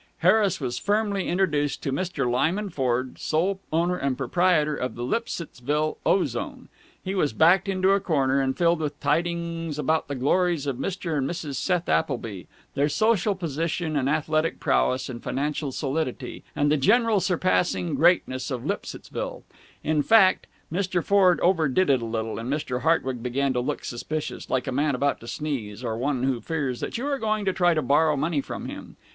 Harris was firmly introduced to Mr. Lyman Ford, sole owner and proprietor of the Lipsittsville Ozone. He was backed into a corner, and filled with tidings about the glories of Mr. and Mrs. Seth Appleby, their social position and athletic prowess and financial solidity, and the general surpassing greatness of Lipsittsville. In fact, Mr. Ford overdid it a little, and Mr. Hartwig began to look suspicious like a man about to sneeze, or one who fears that you are going to try to borrow money from him.